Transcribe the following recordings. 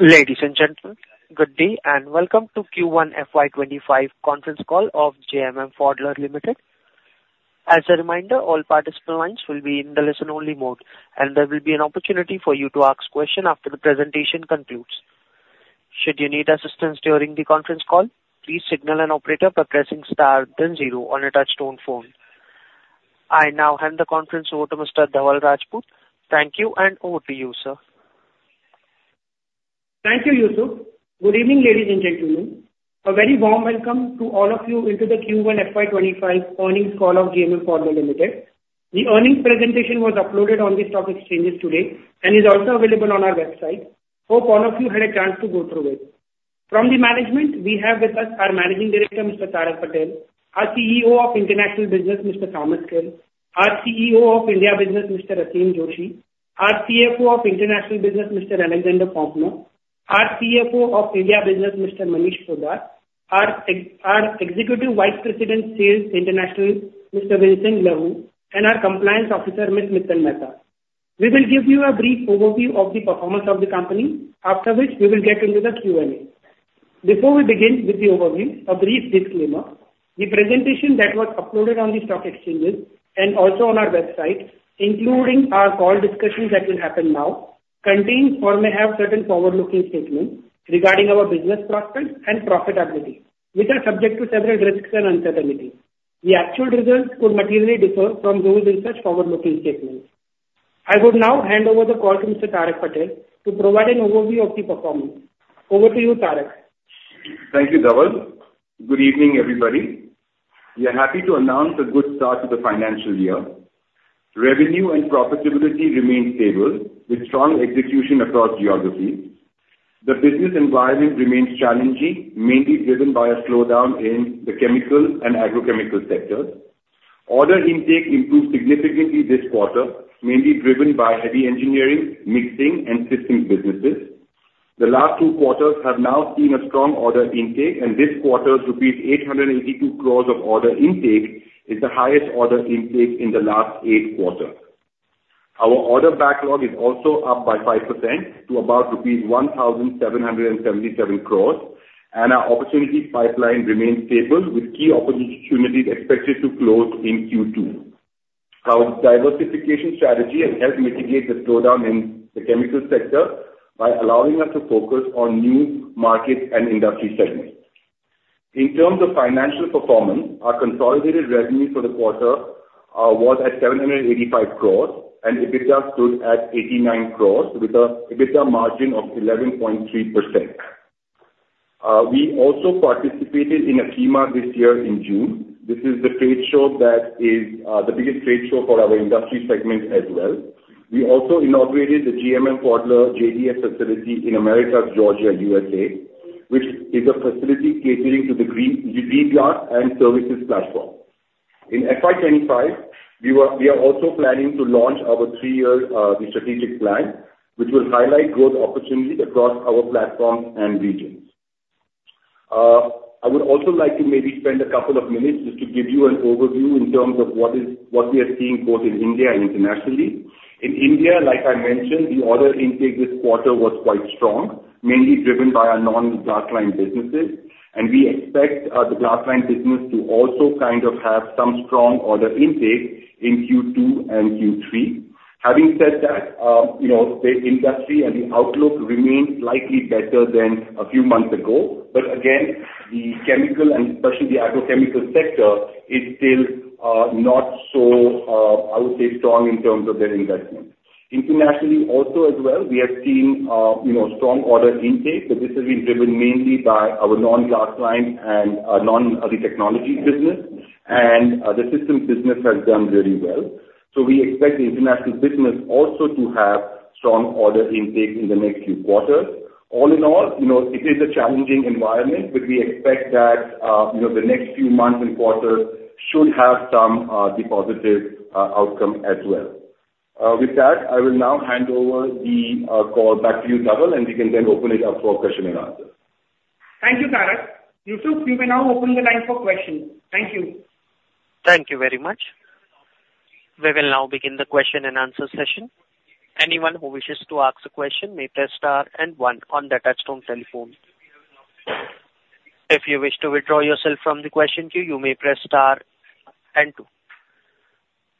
Ladies and gentlemen, good day, and welcome to Q1 FY25 conference call of GMM Pfaudler Limited. As a reminder, all participant lines will be in the listen-only mode, and there will be an opportunity for you to ask questions after the presentation concludes. Should you need assistance during the conference call, please signal an operator by pressing star then zero on your touchtone phone. I now hand the conference over to Mr. Dhaval Rajput. Thank you, and over to you, sir. Thank you, Yusuf. Good evening, ladies and gentlemen. A very warm welcome to all of you into the Q1 FY25 earnings call of GMM Pfaudler Limited. The earnings presentation was uploaded on the stock exchanges today and is also available on our website. Hope all of you had a chance to go through it. From the management, we have with us our Managing Director, Mr. Tarak Patel, our CEO of International Business, Mr. Thomas Kehl, our CEO of India Business, Mr. Aseem Joshi, our CFO of International Business, Mr. Alexander Poempner, our CFO of International Business, Mr. Manish Poddar, our Executive Vice President Sales International, Mr. Wilhelm Lau, and our Compliance Officer, Ms. Mittal Mehta. We will give you a brief overview of the performance of the company, after which we will get into the Q&A. Before we begin with the overview, a brief disclaimer: The presentation that was uploaded on the stock exchanges and also on our website, including our call discussions that will happen now, contain or may have certain forward-looking statements regarding our business prospects and profitability, which are subject to several risks and uncertainties. The actual results could materially differ from those in such forward-looking statements. I would now hand over the call to Mr. Tarak Patel to provide an overview of the performance. Over to you, Tarak. Thank you, Dhaval. Good evening, everybody. We are happy to announce a good start to the financial year. Revenue and profitability remain stable with strong execution across geographies. The business environment remains challenging, mainly driven by a slowdown in the chemical and agrochemical sectors. Order intake improved significantly this quarter, mainly driven by heavy engineering, mixing, and systems businesses. The last two quarters have now seen a strong order intake, and this quarter's rupees 882 crore of order intake is the highest order intake in the last 8 quarters. Our order backlog is also up by 5% to about rupees 1,777 crore, and our opportunity pipeline remains stable, with key opportunities expected to close in Q2. Our diversification strategy has helped mitigate the slowdown in the chemical sector by allowing us to focus on new markets and industry segments. In terms of financial performance, our consolidated revenue for the quarter was at 785 crores, and EBITDA stood at 89 crores with an EBITDA margin of 11.3%. We also participated in ACHEMA this year in June. This is the trade show that is the biggest trade show for our industry segment as well. We also inaugurated the GMM Pfaudler JDS facility in Americus, Georgia, USA, which is a facility catering to the GLE, the glass and services platform. In FY 2025, we are also planning to launch our three-year, the strategic plan, which will highlight growth opportunities across our platforms and regions. I would also like to maybe spend a couple of minutes just to give you an overview in terms of what is, what we are seeing both in India and internationally. In India, like I mentioned, the order intake this quarter was quite strong, mainly driven by our non-glass-lined businesses, and we expect the glass-lined business to also kind of have some strong order intake in Q2 and Q3. Having said that, you know, the industry and the outlook remain slightly better than a few months ago, but again, the chemical and especially the agrochemical sector is still not so, I would say, strong in terms of their investment. Internationally, also as well, we have seen, you know, strong order intake, but this has been driven mainly by our non-glass-lined and non the technology business, and the systems business has done really well. So we expect the international business also to have strong order intake in the next few quarters. All in all, you know, it is a challenging environment, but we expect that, you know, the next few months and quarters should have some, the positive, outcome as well. With that, I will now hand over the, call back to you, Dhaval, and we can then open it up for question and answer. Thank you, Tarak. Yusuf, you may now open the line for questions. Thank you. Thank you very much. We will now begin the question-and-answer session. Anyone who wishes to ask a question may press star and one on their touchtone telephone. If you wish to withdraw yourself from the question queue, you may press star and two.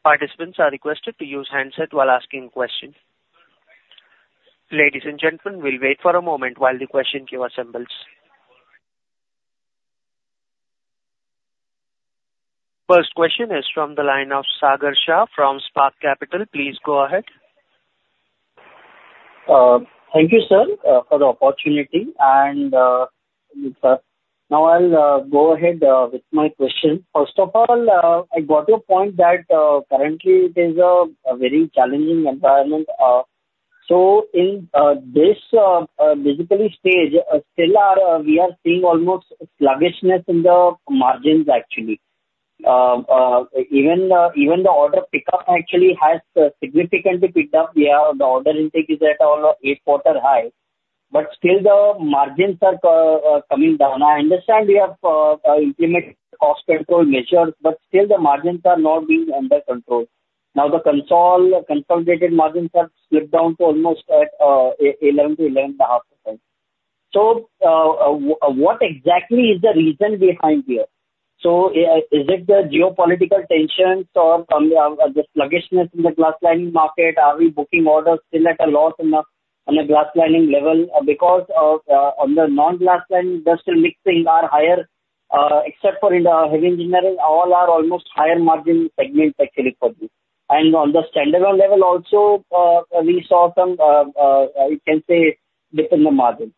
Participants are requested to use handset while asking questions. Ladies and gentlemen, we'll wait for a moment while the question queue assembles. First question is from the line of Sagar Shah from Spark Capital. Please go ahead. Thank you, sir, for the opportunity, and now I'll go ahead with my question. First of all, I got your point that currently it is a very challenging environment. So in this difficult stage, still we are seeing almost sluggishness in the margins, actually. Even the order pickup actually has significantly picked up. Yeah, the order intake is at an all-time eight-quarter high, but still the margins are coming down. I understand we have implemented cost control measures, but still the margins are not being under control. Now the consolidated margins have slipped down to almost 11%-11.5%. So what exactly is the reason behind here? So, is it the geopolitical tensions or some, the sluggishness in the glass-lined market? Are we booking orders still at a loss on a, on a glass-lined level? Because of, on the non-glass-lined, there's still mixing are higher, except for in the heavy engineering, all are almost higher margin segments actually for you. And on the standalone level also, we saw some, you can say, dip in the margin.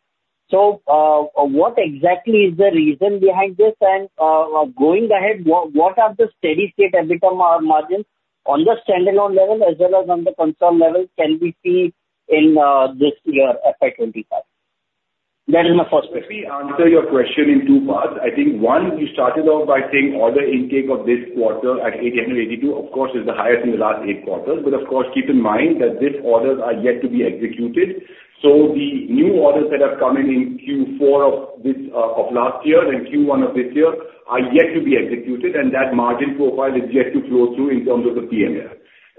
So, what exactly is the reason behind this? And, going ahead, what are the steady state EBITDA margins on the standalone level as well as on the consolidated level, can we see in this year, FY25? That is my first question. Let me answer your question in two parts. I think, one, you started off by saying order intake of this quarter at 1,882, of course, is the highest in the last eight quarters. But of course, keep in mind that these orders are yet to be executed. So the new orders that have come in in Q4 of this, of last year and Q1 of this year are yet to be executed, and that margin profile is yet to flow through in terms of the P&L.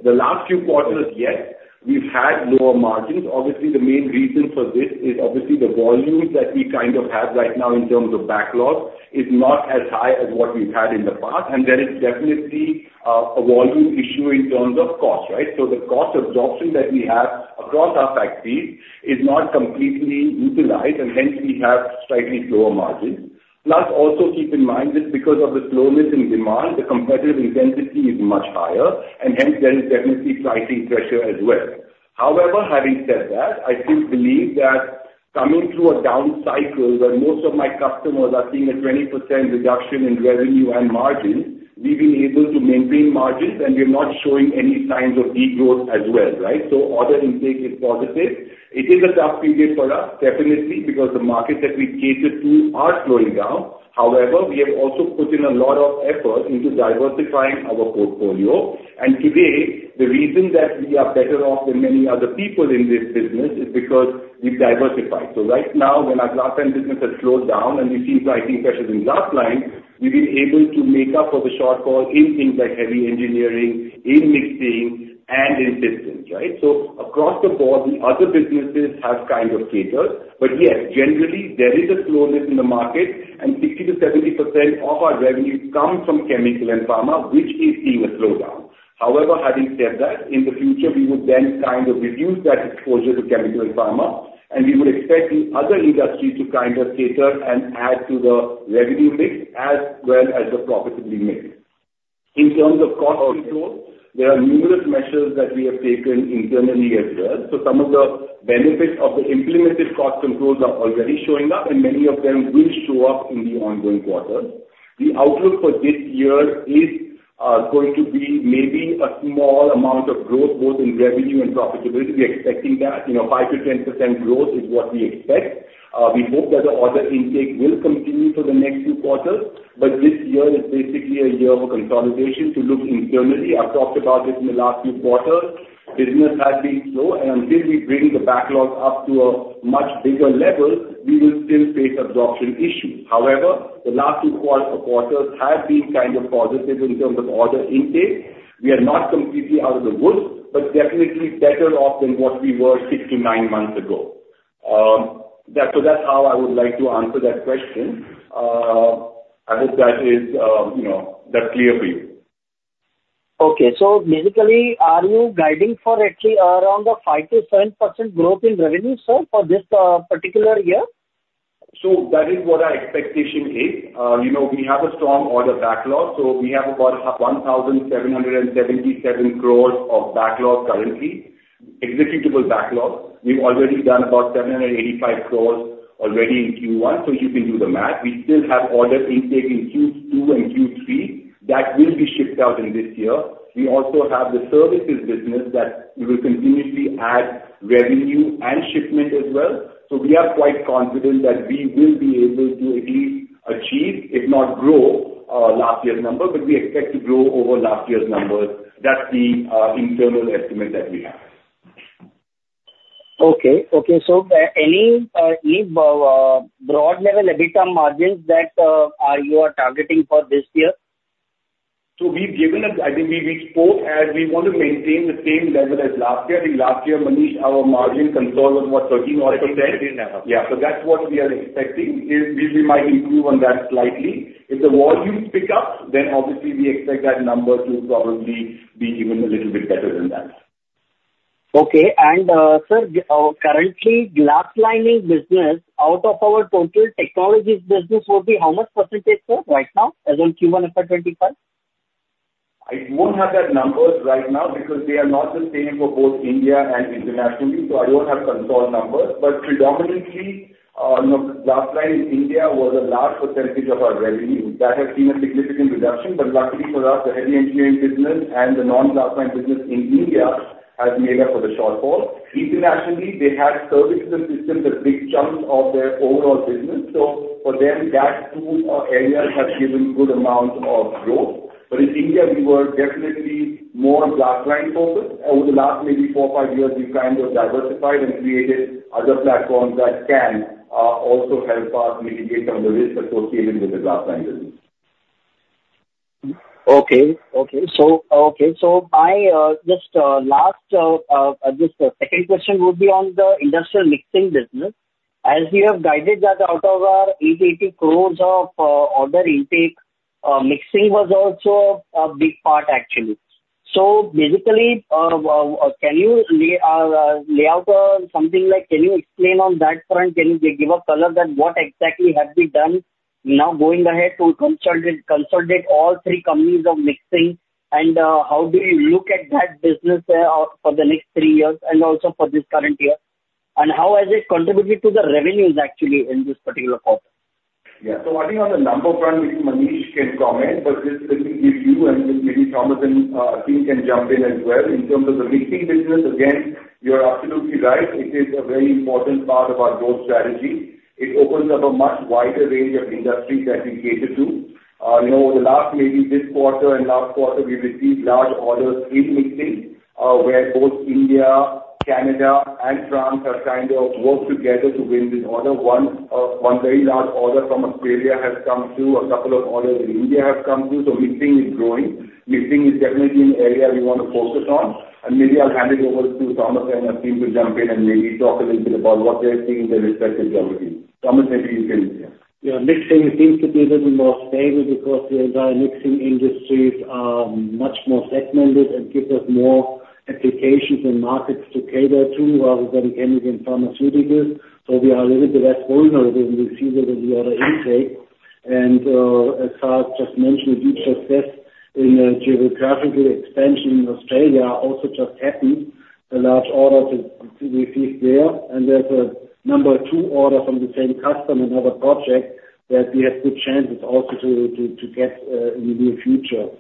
The last few quarters, yes, we've had lower margins. Obviously, the main reason for this is obviously the volumes that we kind of have right now in terms of backlogs is not as high as what we've had in the past, and there is definitely, a volume issue in terms of cost, right? So the cost absorption that we have across our factories is not completely utilized, and hence we have slightly lower margins. Plus, also keep in mind that because of the slowness in demand, the competitive intensity is much higher, and hence there is definitely pricing pressure as well. However, having said that, I still believe that coming through a down cycle where most of my customers are seeing a 20% reduction in revenue and margins, we've been able to maintain margins, and we're not showing any signs of degrowth as well, right? So order intake is positive. It is a tough period for us, definitely, because the markets that we cater to are slowing down. However, we have also put in a lot of effort into diversifying our portfolio. And today, the reason that we are better off than many other people in this business is because we've diversified. So right now, when our glass-lined business has slowed down and we see pricing pressure in glass-lined, we've been able to make up for the shortfall in things like heavy engineering, in mixing, and in systems, right? So across the board, the other businesses have kind of catered. But yes, generally, there is a slowness in the market, and 60%-70% of our revenue comes from chemical and pharma, which is seeing a slowdown. However, having said that, in the future we would then kind of reduce that exposure to chemical and pharma, and we would expect the other industries to kind of cater and add to the revenue mix as well as the profitability mix. In terms of cost control, there are numerous measures that we have taken internally as well. So some of the benefits of the implemented cost controls are already showing up, and many of them will show up in the ongoing quarter. The outlook for this year is going to be maybe a small amount of growth, both in revenue and profitability. We're expecting that, you know, 5%-10% growth is what we expect. We hope that the order intake will continue for the next few quarters, but this year is basically a year of consolidation to look internally. I've talked about this in the last few quarters. Business has been slow, and until we bring the backlog up to a much bigger level, we will still face absorption issues. However, the last two quarters have been kind of positive in terms of order intake. We are not completely out of the woods, but definitely better off than what we were 6-9 months ago. That, so that's how I would like to answer that question. I hope that is, you know, that's clear for you. Okay, so basically, are you guiding for actually around the 5%-7% growth in revenue, sir, for this particular year? So that is what our expectation is. You know, we have a strong order backlog, so we have about 1,777 crores of backlog currently, executable backlog. We've already done about 785 crores already in Q1, so you can do the math. We still have order intake in Q2 and Q3. That will be shipped out in this year. We also have the services business that we will continuously add revenue and shipment as well. So we are quite confident that we will be able to at least achieve, if not grow, last year's number, but we expect to grow over last year's numbers. That's the internal estimate that we have. Okay. Okay, so, any broad level EBITDA margins that you are targeting for this year? So we've given a... I think we spoke as we want to maintain the same level as last year. I think last year, Manish, our margin control was what, 13 or 10? 13.5. Yeah. So that's what we are expecting. We might improve on that slightly. If the volumes pick up, then obviously we expect that number to probably be even a little bit better than that. Okay. Sir, currently, glass lining business, out of our total technologies business, would be how much percentage, sir, right now, as on Q1 FY25? I don't have that numbers right now because they are not the same for both India and internationally, so I don't have consolidated numbers. But predominantly, you know, glassline in India was a large percentage of our revenue. That has seen a significant reduction, but luckily for us, the heavy engineering business and the non-glassline business in India has made up for the shortfall. Internationally, they had services and systems, a big chunk of their overall business. So for them, those two areas have given good amount of growth. But in India, we were definitely more glassline focused. Over the last maybe 4, 5 years, we've kind of diversified and created other platforms that can also help us mitigate some of the risks associated with the glassline business. Okay. Okay. So, okay, so my just last just second question would be on the Industrial Mixing business. As you have guided that out of our 80 crore of order intake, mixing was also a big part, actually. So basically, can you lay out something like can you explain on that front? Can you give a color that what exactly has been done now going ahead to consolidate all three companies of mixing, and how do you look at that business for the next three years and also for this current year? And how has it contributed to the revenues actually in this particular quarter? Yeah. So I think on the number front, Manish can comment, but just let me give you, and maybe Thomas and team can jump in as well. In terms of the mixing business, again, you're absolutely right. It is a very important part of our growth strategy. It opens up a much wider range of industries that we cater to. You know, over the last, maybe this quarter and last quarter, we received large orders in mixing, where both India, Canada, and France have kind of worked together to win this order. One very large order from Australia has come through. A couple of orders in India have come through. So mixing is growing. Mixing is definitely an area we want to focus on, and maybe I'll hand it over to Thomas and the team to jump in and maybe talk a little bit about what they're seeing in their respective geographies. Thomas, maybe you can, yeah. Yeah. Mixing seems to be a little more stable because the mixing industries are much more segmented and gives us more applications and markets to cater to rather than chemical and pharmaceuticals. So we are a little bit less vulnerable than we see with the other intake. And, as far as just mentioned, big success in geographical expansion in Australia also just happened. A large order that we received there, and there's a number two order from the same customer, another project that we have good chances also to get in the near future.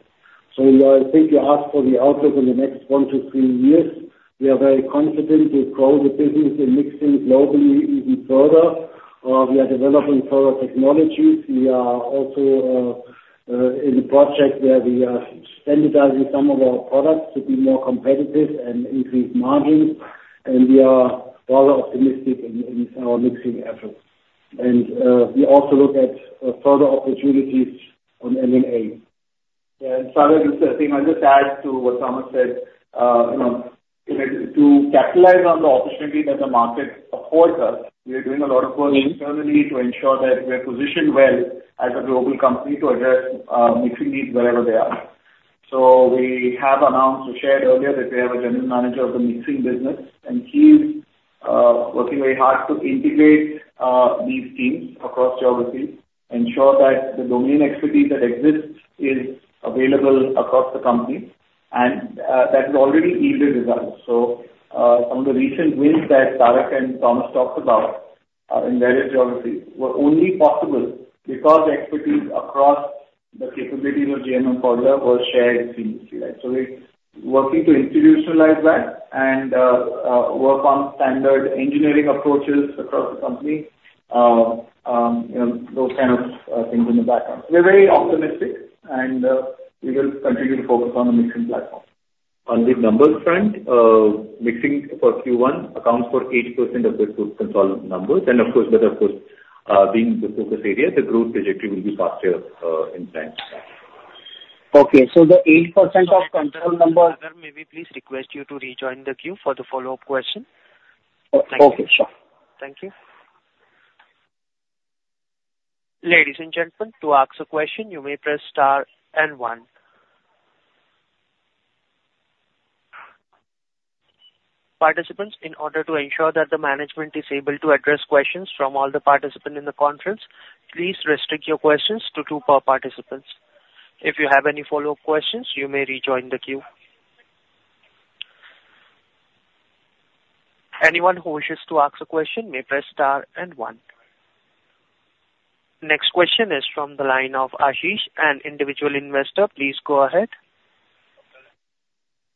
So I think you asked for the outlook in the next one to three years. We are very confident to grow the business in mixing globally, even further. We are developing further technologies. We are also in a project where we are standardizing some of our products to be more competitive and increase margins, and we are rather optimistic in our mixing efforts. We also look at further opportunities on M&A. Yeah, and so I think I'll just add to what Thomas said. You know, to capitalize on the opportunity that the market affords us, we are doing a lot of work internally to ensure that we are positioned well as a global company to address mixing needs wherever they are. So we have announced, we shared earlier, that we have a general manager of the mixing business, and he's working very hard to integrate these teams across geographies, ensure that the domain expertise that exists is available across the company, and that has already yielded results. So, some of the recent wins that Tarak and Thomas talked about in various geographies, were only possible because the expertise across the capabilities of GMM Pfaudler were shared seamlessly, right? So we're working to institutionalize that and work on standard engineering approaches across the company. You know, those kind of things in the background. We're very optimistic, and we will continue to focus on the mixing platform. On the numbers front, mixing for Q1 accounts for 8% of the group consolidated numbers, and of course, that of course, being the focus area, the growth trajectory will be faster, in time. Okay. So the 8% of control number- Maybe please request you to rejoin the queue for the follow-up question. Okay, sure. Thank you. Ladies and gentlemen, to ask a question, you may press star and one. Participants, in order to ensure that the management is able to address questions from all the participants in the conference, please restrict your questions to two per participants. If you have any follow-up questions, you may rejoin the queue. Anyone who wishes to ask a question may press star and one. Next question is from the line of Ashish, an individual investor. Please go ahead.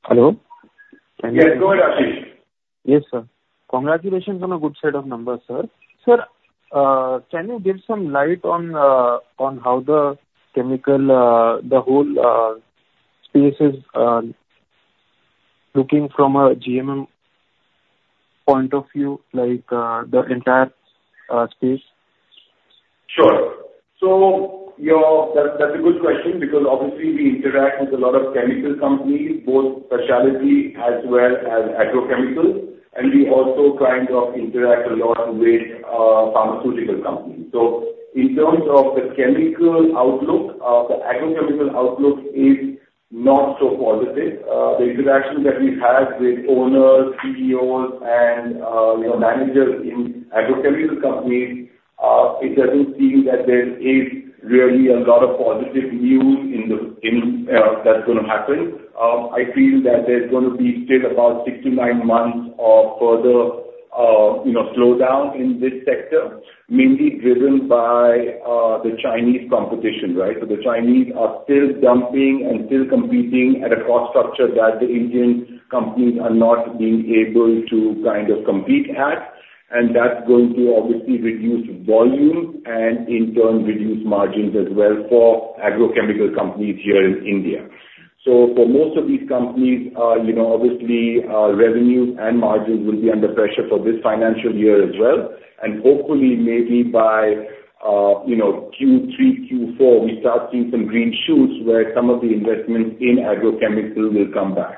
Hello? Yeah, go ahead, Ashish. Yes, sir. Congratulations on a good set of numbers, sir. Sir, can you give some light on, on how the chemical, the whole, space is, looking from a GMM point of view, like, the entire, space? Sure. So, yeah, that, that's a good question because obviously we interact with a lot of chemical companies, both specialty as well as agrochemicals, and we also kind of interact a lot with pharmaceutical companies. So in terms of the chemical outlook, the agrochemical outlook is not so positive. The interactions that we've had with owners, CEOs and, you know, managers in agrochemical companies, it doesn't seem that there is really a lot of positive news that's going to happen. I feel that there's going to be still about 6-9 months of further, you know, slowdown in this sector, mainly driven by the Chinese competition, right? So the Chinese are still dumping and still competing at a cost structure that the Indian companies are not being able to kind of compete at, and that's going to obviously reduce volume and in turn, reduce margins as well for agrochemical companies here in India. So for most of these companies, you know, obviously, revenues and margins will be under pressure for this financial year as well, and hopefully maybe by, you know, Q3, Q4, we start seeing some green shoots where some of the investments in agrochemicals will come back.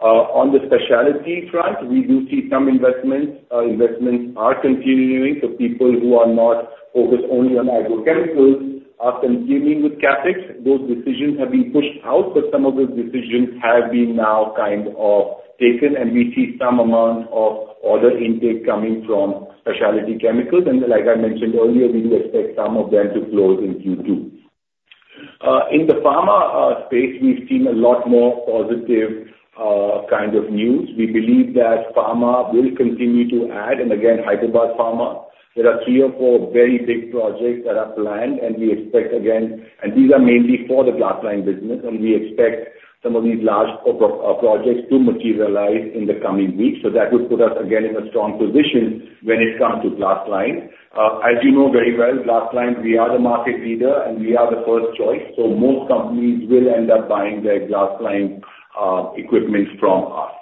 On the specialty front, we do see some investments. Investments are continuing, so people who are not focused only on agrochemicals are continuing with CapEx. Those decisions have been pushed out, but some of those decisions have been now kind of taken, and we see some amount of order intake coming from specialty chemicals. Like I mentioned earlier, we do expect some of them to close in Q2. In the pharma space, we've seen a lot more positive kind of news. We believe that pharma will continue to add, and again, Hyderabad pharma, there are three or four very big projects that are planned, and we expect again. And these are mainly for the glass-lined business, and we expect some of these large projects to materialize in the coming weeks. So that would put us again in a strong position when it comes to glass-lined. As you know very well, glass-lined, we are the market leader, and we are the first choice, so most companies will end up buying their glass-lined equipment from us.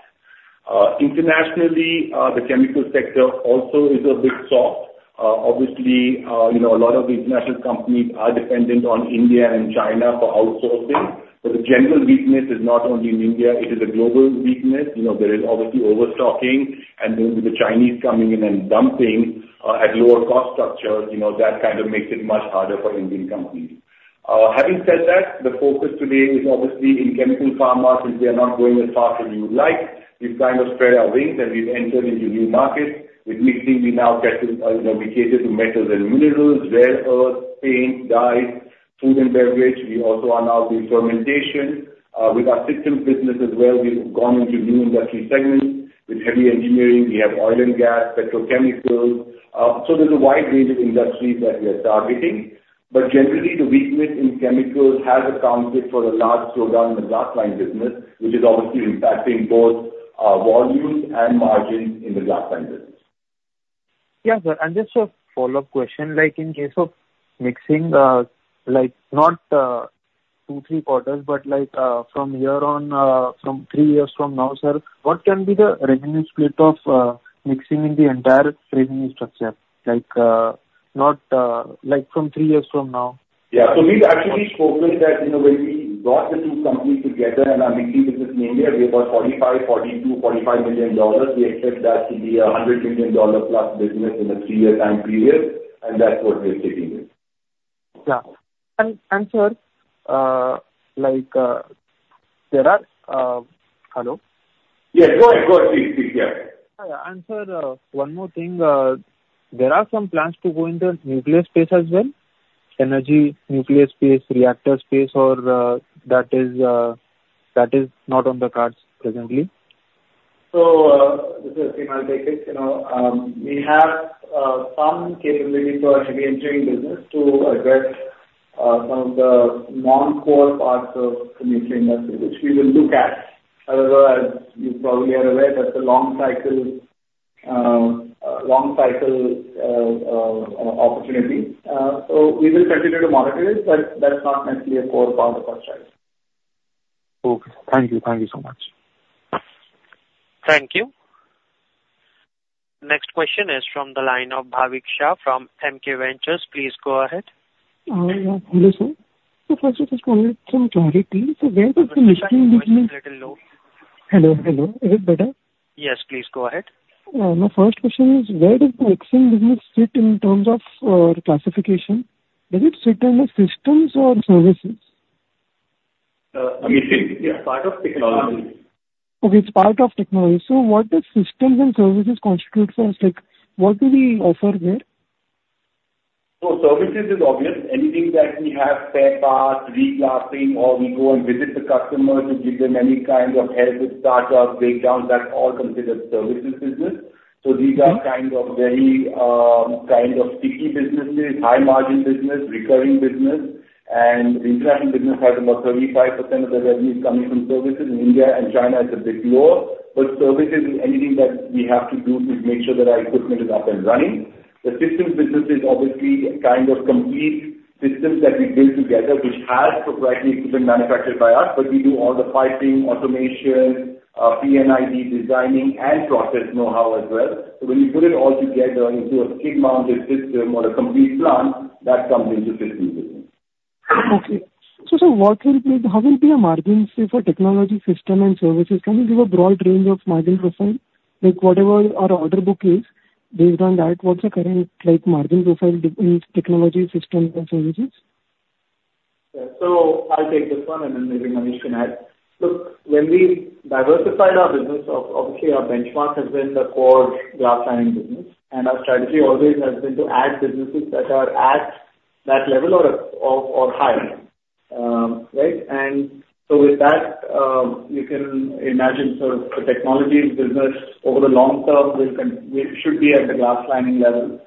Internationally, the chemical sector also is a bit soft. Obviously, you know, a lot of the international companies are dependent on India and China for outsourcing. But the general weakness is not only in India, it is a global weakness. You know, there is obviously overstocking, and then with the Chinese coming in and dumping at lower cost structures, you know, that kind of makes it much harder for Indian companies. Having said that, the focus today is obviously in chemical pharma. Since we are not going as fast as we would like, we've kind of spread our wings, and we've entered into new markets. With Mixing, we now get to, you know, we cater to metals and minerals, rare earth, paint, dyes, food and beverage. We also are now doing fermentation. With our Systems business as well, we've gone into new industry segments. With Heavy Engineering, we have oil and gas, petrochemicals. So there's a wide range of industries that we are targeting, but generally, the weakness in chemicals has accounted for a large slowdown in the glass-lined business, which is obviously impacting both volumes and margins in the glass-lined business. Yeah, sir, and just a follow-up question. Like, in case of Mixing, like, not 2, 3 quarters, but, like, from here on, from 3 years from now, sir, what can be the revenue split of Mixing in the entire revenue structure? Yeah. So we've actually spoken that, you know, when we got the two companies together and our Mixing business in India, we were $45, $42, $45 million. We expect that to be a $100 million-plus business in a 3-year time period, and that's what we are stating it. Yeah. And, and sir, like, there are... Hello? Yes, go ahead. Go ahead, please. Yeah. Sir, one more thing. There are some plans to go into the nuclear space as well? Energy, nuclear space, reactor space, or, that is, that is not on the cards presently? So, this is Hemal Tekchand. You know, we have some capability to our heavy engineering business to address some of the non-core parts of the nuclear industry, which we will look at. However, as you probably are aware, that's a long cycle, long cycle, opportunity. So we will continue to monitor it, but that's not necessarily a core part of our strategy. Okay. Thank you. Thank you so much. Thank you. Next question is from the line of Bhavik Shah from MK Ventures. Please go ahead. Hello, sir. First of all, just one thing, so where does the Mixing business- Your volume is a little low. Hello, hello. Is it better? Yes, please go ahead. My first question is, where does the Mixing business fit in terms of classification? Does it fit in the systems or services? Mixing, yeah, part of technology. Okay, it's part of technology. What does systems and services constitute for us? Like, what do we offer there? Services is obvious. Anything that we have spare parts, re-glassing, or we go and visit the customer to give them any kind of help with startup, breakdown, that's all considered services business. Mm-hmm. So these are kind of very, kind of sticky businesses, high margin business, recurring business. And the international business has about 35% of the revenue is coming from services. In India and China, it's a bit lower, but services is anything that we have to do to make sure that our equipment is up and running. The systems business is obviously the kind of complete systems that we build together, which has proprietary equipment manufactured by us, but we do all the piping, automation, P&ID designing, and process know-how as well. So when you put it all together into a skid-mounted system or a complete plant, that comes into systems business. Okay. So, what will be, how will be our margins, say, for technology, system, and services? Can you give a broad range of margin profile? Like, whatever our order book is, based on that, what's the current, like, margin profile between technology, system, and services? Yeah. So I'll take this one, and then maybe Manish can add. Look, when we diversified our business, obviously our benchmark has been the core glass lining business, and our strategy always has been to add businesses that are at that level or higher. Right? And so with that, you can imagine so the technology business over the long term will. We should be at the glass lining level.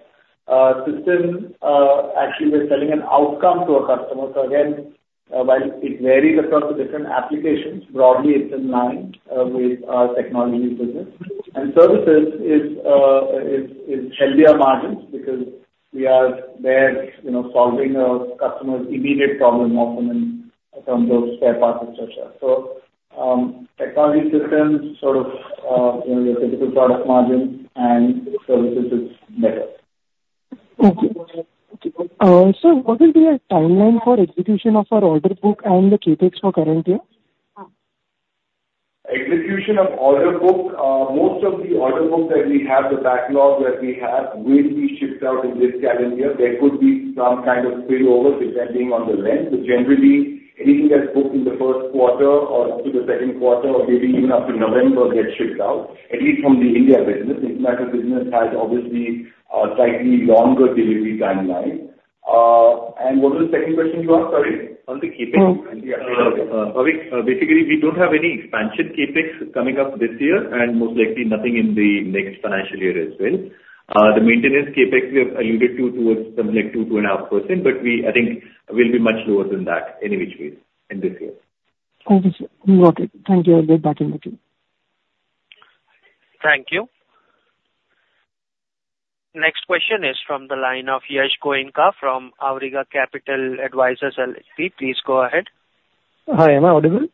Systems, actually we're selling an outcome to our customers. So again, while it varies across the different applications, broadly it's in line with our technology business. And services is healthier margins because we are there, you know, solving our customer's immediate problem, often in terms of spare parts, et cetera. So, technology systems sort of, you know, your typical product margin, and services is better. Okay. What will be the timeline for execution of our order book and the CapEx for current year? Execution of order book, most of the order book that we have, the backlog that we have, will be shipped out in this calendar year. There could be some kind of spillover depending on the length, but generally, anything that's booked in the first quarter or to the second quarter or maybe even up to November, gets shipped out, at least from the India business. International business has obviously a slightly longer delivery timeline. And what was the second question you asked, sorry? On the CapEx. Mm. Basically, we don't have any expansion CapEx coming up this year, and most likely nothing in the next financial year as well. The maintenance CapEx, we have alluded to, towards something like 2-2.5%, but we, I think, will be much lower than that any which way in this year. Okay, sir. Got it. Thank you very much. Back to you. Thank you. Next question is from the line of Yash Goenka from Aviga Capital Advisors, LLC. Please go ahead. Hi, am I audible?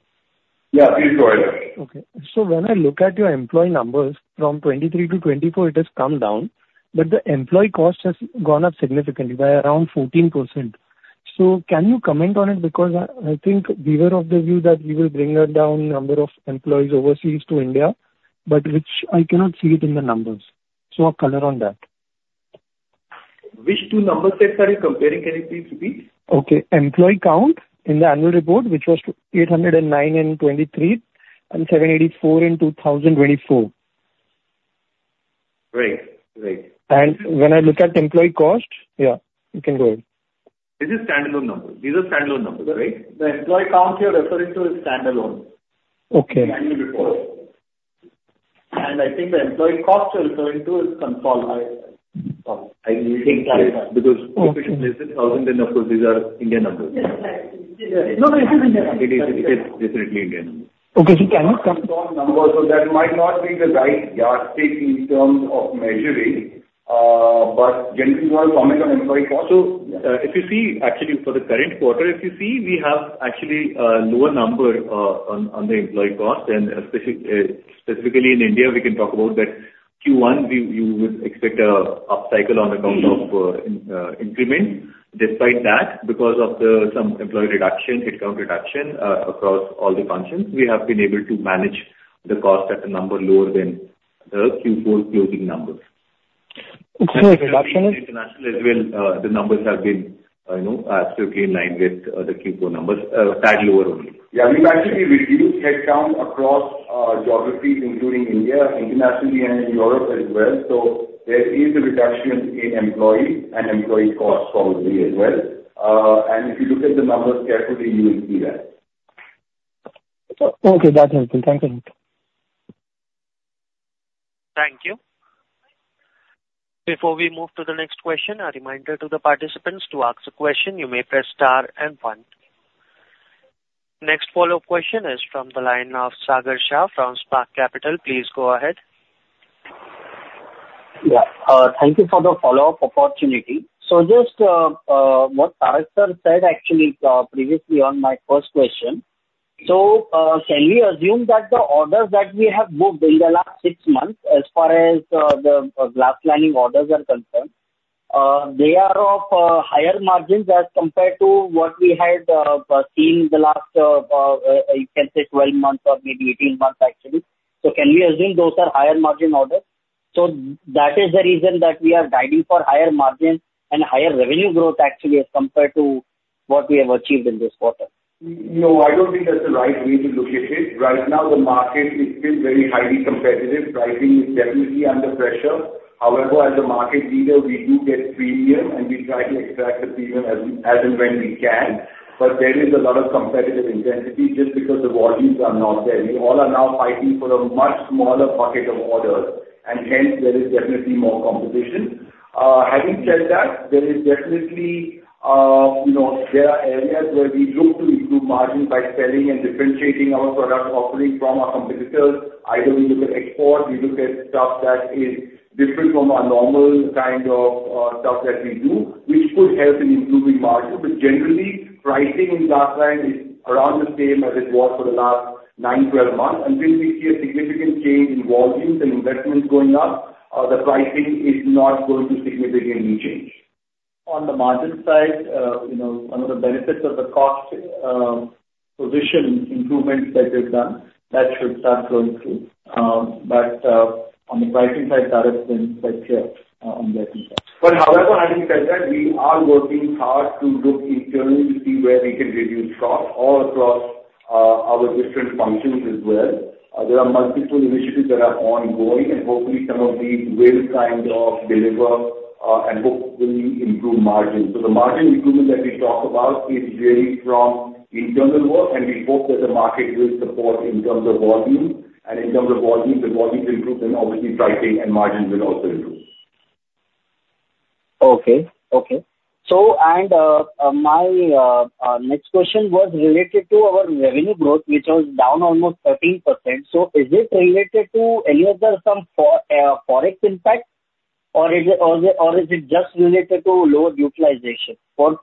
Yeah, please go ahead. Okay. So when I look at your employee numbers from 2023 to 2024, it has come down, but the employee cost has gone up significantly by around 14%. So can you comment on it? Because I, I think we were of the view that we will bring that down number of employees overseas to India, but which I cannot see it in the numbers. So a color on that. Which two number sets are you comparing? Can you please repeat? Okay, employee count in the annual report, which was 809 in 2023, and 784 in 2024. Right. Right. When I look at employee cost... Yeah, you can go ahead. This is standalone numbers. These are standalone numbers, right? The employee count you're referring to is standalone. Okay. Annual report. I think the employee cost you're referring to is consolidated. I think because- Okay. If it is thousand, then of course, these are India numbers. Yes. Right. No, no, it is India numbers. It is, it is definitely India numbers. Okay, so can you confirm- Consolidated numbers, so that might not be the right yardstick in terms of measuring, but generally, you want to comment on employee cost? So, if you see actually for the current quarter, if you see, we have actually a lower number on the employee cost, and specifically in India, we can talk about that. Q1, you would expect a upcycle on account of increments. Despite that, because of some employee reduction, headcount reduction across all the functions, we have been able to manage the cost at a number lower than the Q4 closing numbers. The reduction is- International as well, the numbers have been, you know, strictly in line with the Q4 numbers, a tad lower only. Yeah. We've actually reduced headcount across geographies, including India, internationally and in Europe as well. So there is a reduction in employee and employee cost probably as well. And if you look at the numbers carefully, you will see that. Okay, that's helpful. Thank you. Thank you. Before we move to the next question, a reminder to the participants, to ask a question, you may press star and one. Next follow-up question is from the line of Sagar Shah from Spark Capital. Please go ahead. Yeah, thank you for the follow-up opportunity. So just, what Tarak sir said actually, previously on my first question. So, can we assume that the orders that we have booked in the last 6 months, as far as the glass-lined orders are concerned, they are of higher margins as compared to what we had seen in the last, you can say 12 months or maybe 18 months, actually. So can we assume those are higher margin orders? So that is the reason that we are guiding for higher margins and higher revenue growth actually, as compared to what we have achieved in this quarter. No, I don't think that's the right way to look at it. Right now, the market is still very highly competitive. Pricing is definitely under pressure. However, as a market leader, we do get premium, and we try to extract the premium as we, as and when we can. But there is a lot of competitive intensity just because the volumes are not there. We all are now fighting for a much smaller bucket of orders, and hence there is definitely more competition. Having said that, there is definitely, you know, there are areas where we look to improve margins by selling and differentiating our product offering from our competitors. Either we look at export, we look at stuff that is different from our normal kind of, stuff that we do, which could help in improving margins. But generally, pricing in glass-lined is around the same as it was for the last 9-12 months. Until we see a significant change in volumes and investments going up, the pricing is not going to significantly change. On the margin side, you know, some of the benefits of the cost position improvements that we've done, that should start flowing through. But, on the pricing side, Tarak's been quite clear, on that as well. But however, having said that, we are working hard to look internally to see where we can reduce costs all across, our different functions as well. There are multiple initiatives that are ongoing, and hopefully, some of these will kind of deliver, and hopefully improve margins. So the margin improvement that we talk about is really from internal work, and we hope that the market will support in terms of volumes. And in terms of volumes, the volumes improve and obviously, pricing and margins will also improve. Okay. Okay. My next question was related to our revenue growth, which was down almost 13%. So is it related to any other some Forex impact, or is it just related to lower utilization? For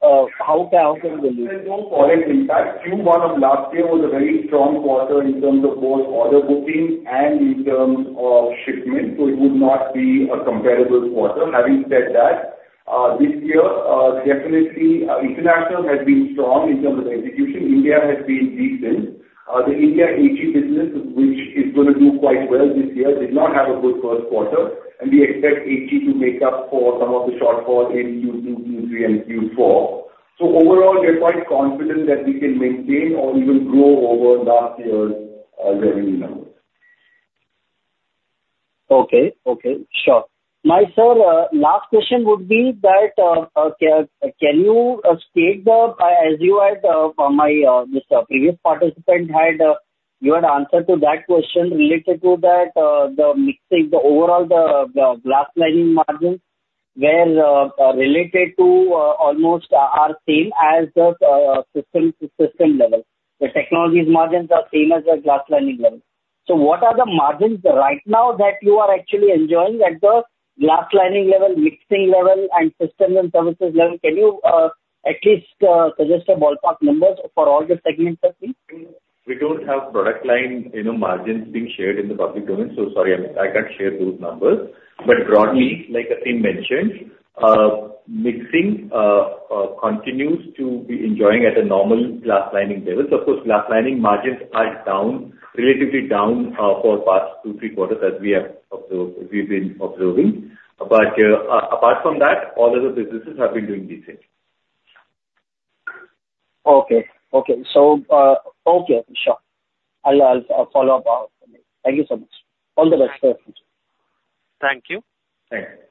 how can we look? Forex impact. Q1 of last year was a very strong quarter in terms of both order booking and in terms of shipments, so it would not be a comparable quarter. Having said that, this year, definitely, international has been strong in terms of execution. India has been decent. The India AG business, which is gonna do quite well this year, did not have a good first quarter, and we expect AG to make up for some of the shortfall in Q2, Q3, and Q4. So overall, we are quite confident that we can maintain or even grow over last year's, revenue numbers. Okay. Okay, sure. Sir, my last question would be that, can you state the, as you had, from this previous participant had, you had answered to that question related to that, the mixing, the overall, the, the glass lining margins where, related to, almost are same as the, system to system level. The technologies margins are same as the glass lining level. So what are the margins right now that you are actually enjoying at the glass lining level, mixing level, and system and services level? Can you at least suggest a ballpark numbers for all the segments at least? We don't have product line, you know, margins being shared in the public domain. So sorry, I, I can't share those numbers. But broadly, like Aseem mentioned, mixing continues to be enjoying at normal glass lining levels. Of course, glass lining margins are down, relatively down, for the past two, three quarters as we've been observing. But apart from that, all other businesses have been doing decent. Okay. Okay, so, Okay, sure. I'll, I'll follow up. Thank you so much. All the best for future. Thank you. Thank you.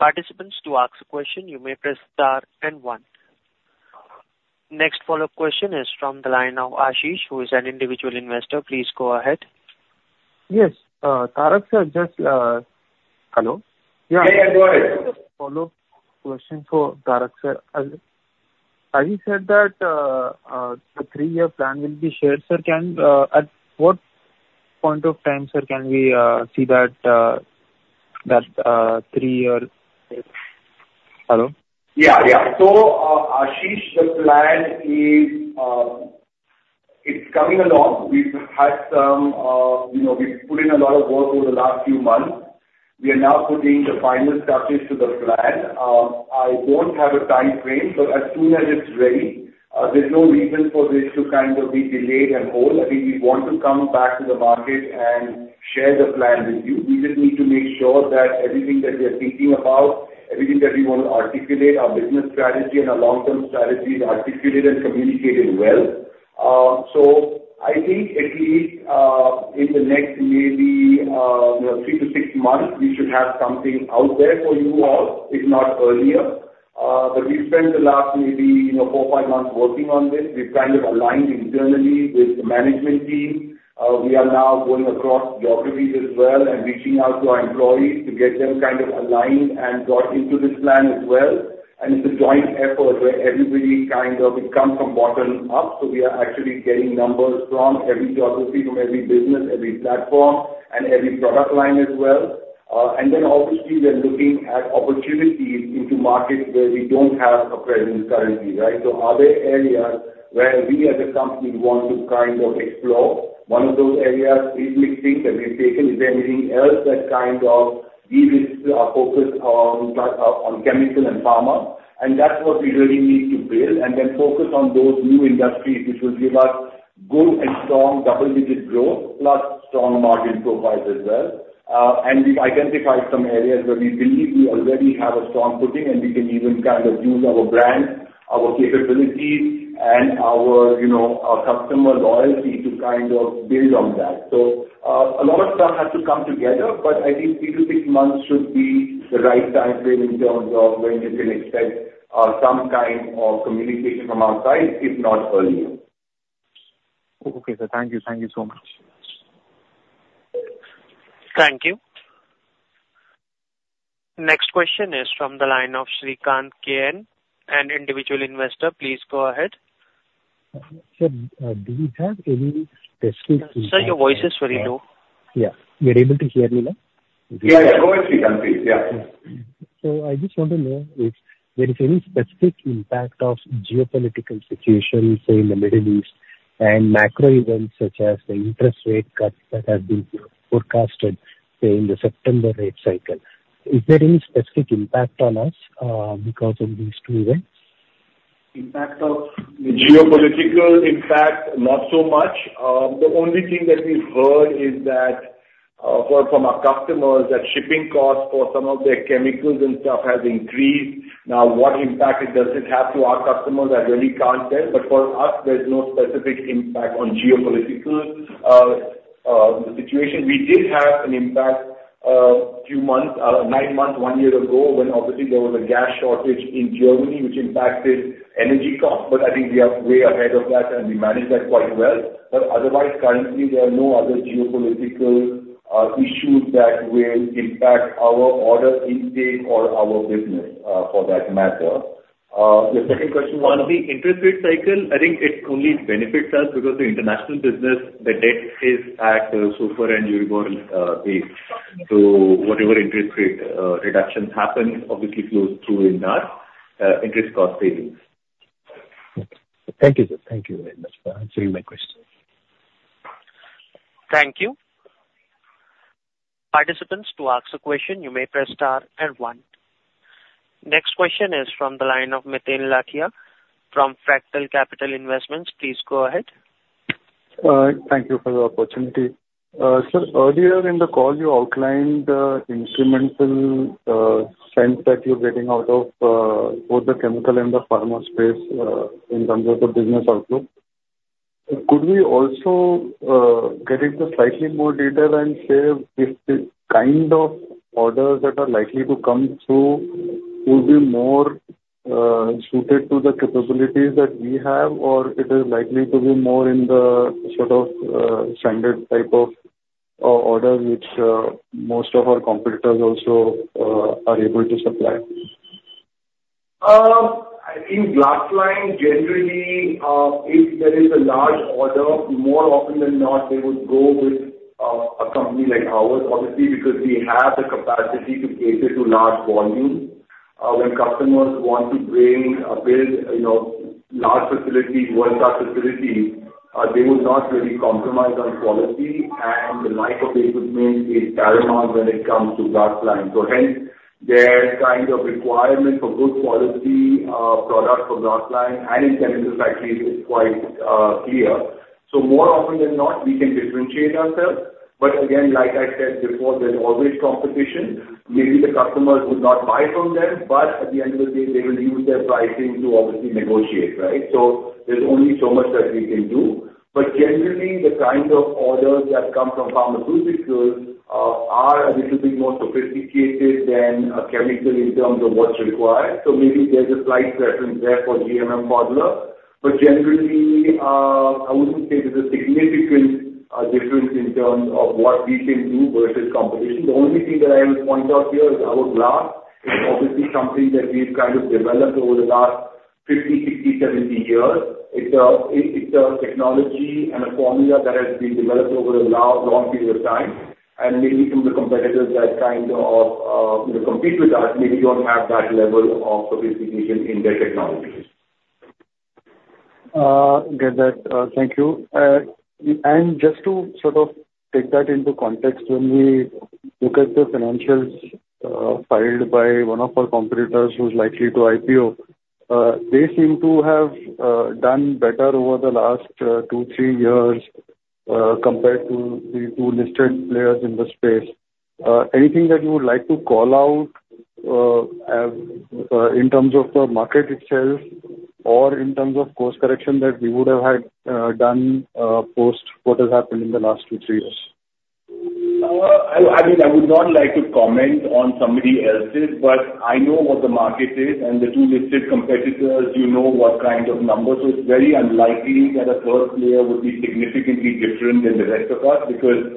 Participants, to ask a question, you may press star and one. Next follow-up question is from the line of Ashish, who is an individual investor. Please go ahead. Yes, Tarak Sir, just... Hello? Yeah, yeah, go ahead. Follow-up question for Tarak Sir. As you said that the three-year plan will be shared, sir, at what point of time, sir, can we see that three-year? Hello? Yeah, yeah. So, Ashish, the plan is, it's coming along. We've had some, you know, we've put in a lot of work over the last few months. We are now putting the final touches to the plan. I don't have a time frame, but as soon as it's ready, there's no reason for this to kind of be delayed and hold. I think we want to come back to the market and share the plan with you. We just need to make sure that everything that we are thinking about, everything that we want to articulate, our business strategy and our long-term strategy is articulated and communicated well. So I think at least, in the next maybe, you know, three to six months, we should have something out there for you all, if not earlier. But we've spent the last maybe, you know, 4, 5 months working on this. We've kind of aligned internally with the management team. We are now going across geographies as well and reaching out to our employees to get them kind of aligned and bought into this plan as well. And it's a joint effort, where everybody kind of, it comes from bottom up, so we are actually getting numbers from every geography, from every business, every platform, and every product line as well. And then obviously, we are looking at opportunities into markets where we don't have a presence currently, right? So are there areas where we as a company want to kind of explore? One of those areas is mixing, that we've taken. Is there anything else that kind of gives us our focus on chemical and pharma? And that's what we really need to build, and then focus on those new industries, which will give us good and strong double-digit growth, plus strong margin profiles as well. And we've identified some areas where we believe we already have a strong footing, and we can even kind of use our brands, our capabilities, and our, you know, our customer loyalty to kind of build on that. So, a lot of stuff has to come together, but I think 3-6 months should be the right time frame in terms of when you can expect, some kind of communication from our side, if not earlier. Okay, sir. Thank you. Thank you so much. Thank you. Next question is from the line of Srikanth KN, an individual investor. Please go ahead. Sir, do you have any specific- Sir, your voice is very low. Yeah. You're able to hear me now? Yeah, yeah. Go ahead, Srikanth, please. Yeah. I just want to know if there is any specific impact of geopolitical situations, say, in the Middle East, and macro events such as the interest rate cuts that have been forecasted, say, in the September rate cycle. Is there any specific impact on us, because of these two events? Impact of geopolitical impact, not so much. The only thing that we've heard is that, well, from our customers, that shipping costs for some of their chemicals and stuff has increased. Now, what impact it does it have to our customers? I really can't tell, but for us, there's no specific impact on geopolitical situation. We did have an impact few months, 9 months, 1 year ago, when obviously there was a gas shortage in Germany, which impacted energy costs. But I think we are way ahead of that and we managed that quite well. But otherwise, currently, there are no other geopolitical issues that will impact our order intake or our business, for that matter. The second question? On the interest rate cycle, I think it only benefits us because the international business, the debt is at SOFR and Euribor base. So whatever interest rate reductions happen obviously flows through in our interest cost savings. Thank you, sir. Thank you very much for answering my question. Thank you. Participants, to ask a question, you may press star then one. Next question is from the line of Miten Lathia from Fractal Capital Investments. Please go ahead. Thank you for the opportunity. Sir, earlier in the call, you outlined the incremental strength that you're getting out of both the chemical and the pharma space in terms of the business outlook. Could we also get into slightly more detail and say if the kind of orders that are likely to come through will be more suited to the capabilities that we have? Or it is likely to be more in the sort of standard type of orders, which most of our competitors also are able to supply? I think glass-lined generally, if there is a large order, more often than not, they would go with, a company like ours, obviously, because we have the capacity to cater to large volumes. When customers want to build, you know, large facilities, world-class facilities, they will not really compromise on quality, and the life of the equipment is paramount when it comes to glass-lined. So hence, their kind of requirement for good quality product for glass-lined and in chemical factories is quite clear. So more often than not, we can differentiate ourselves. But again, like I said before, there's always competition. Maybe the customers would not buy from them, but at the end of the day, they will use their pricing to obviously negotiate, right? So there's only so much that we can do. But generally, the kinds of orders that come from pharmaceuticals are a little bit more sophisticated than a chemical in terms of what's required. So maybe there's a slight preference there for GMM Pfaudler. But generally, I wouldn't say there's a significant difference in terms of what we can do versus competition. The only thing that I would point out here is our glass is obviously something that we've kind of developed over the last 50, 60, 70 years. It's a technology and a formula that has been developed over a long, long period of time. And maybe some of the competitors that are trying to, you know, compete with us, maybe don't have that level of sophistication in their technology. Get that. Thank you. And just to sort of take that into context, when we look at the financials filed by one of our competitors who's likely to IPO, they seem to have done better over the last 2-3 years compared to the two listed players in the space. Anything that you would like to call out as in terms of the market itself or in terms of course correction that we would have had done post what has happened in the last 2-3 years? I mean, I would not like to comment on somebody else's, but I know what the market is and the two listed competitors, you know, what kind of numbers. So it's very unlikely that a third player would be significantly different than the rest of us, because,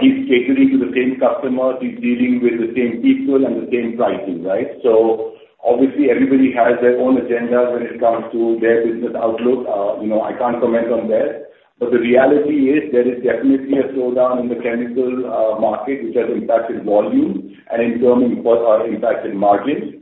he's catering to the same customers, he's dealing with the same people and the same pricing, right? So obviously, everybody has their own agenda when it comes to their business outlook. You know, I can't comment on that. But the reality is there is definitely a slowdown in the chemical market, which has impacted volumes and in turn, of course, impacted margins.